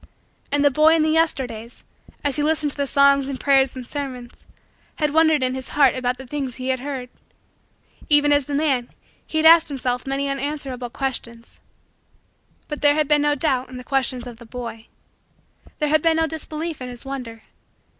And the boy in the Yesterdays, as he listened to the songs and prayers and sermons, had wondered in his heart about the things he heard even as the man, he had asked himself many unanswerable questions... But there had been no doubt in the questions of the boy. There had been no disbelief in his wonder.